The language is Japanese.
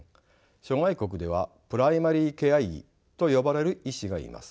諸外国ではプライマリケア医と呼ばれる医師がいます。